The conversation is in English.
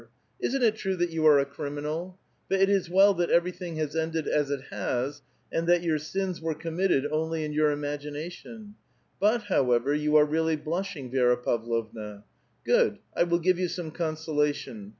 Isn't it true that you are a criminal? But it is well that everything has ended as it has, and that your, sins were committed only in your imagination ; but, however, you are really blushing, Viera Pavlovna. Good ! 1 will give you some consolation.